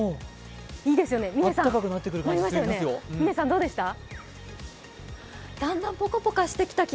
いいですよね、嶺さん、どうでした？